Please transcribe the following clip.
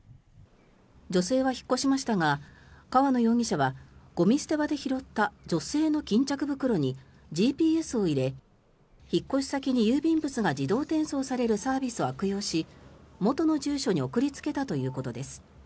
女性は引っ越しましたが河野容疑者はゴミ捨て場で拾った女性の巾着袋にＧＰＳを入れ引っ越し先に郵便物が自動転送されるサービスを悪用し元の住所に送りつけたということです。